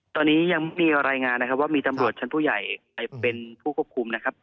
ตอนนี้ยังมีรายงานนะครับว่ามีตำรวจชั้นผู้ใหญ่เป็นผู้ควบคุมนะครับ